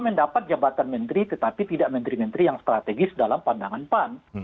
mendapat jabatan menteri tetapi tidak menteri menteri yang strategis dalam pandangan pan